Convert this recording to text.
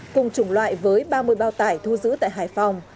cùng chủng loại với ba mươi bao tải thu giữ tại hải phòng